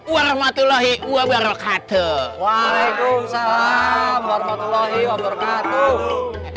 waalaikumsalam warahmatullahi wabarakatuh